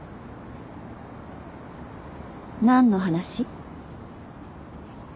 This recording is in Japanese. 何の話？